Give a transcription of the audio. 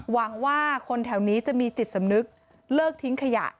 หวังว่าคนแถวนี้จะมีจิตสำนึกเลิกทิ้งขยะ